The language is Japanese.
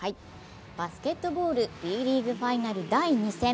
バスケットボールＢリーグファイナル第５戦。